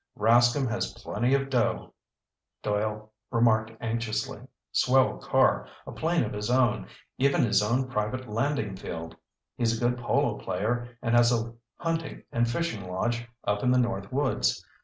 "Rascomb has plenty of dough," Doyle remarked enviously. "Swell car, a plane of his own, even his own private landing field. He's a good polo player and has a hunting and fishing lodge up in the north woods.